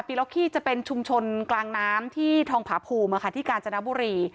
ล็อกขี้จะเป็นชุมชนกลางน้ำที่ทองผาภูมิที่กาญจนบุรี